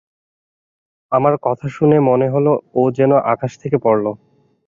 আমার কথা শুনে মনে হল ও যেন আকাশ থেকে পড়ল।